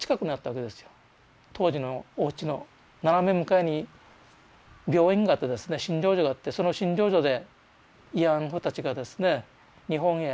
当時のおうちの斜め向かいに病院があってですね診療所があってその診療所で慰安婦たちがですね日本兵相手にしてるわけですよね。